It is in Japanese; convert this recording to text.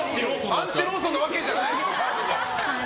アンチローソンじゃない。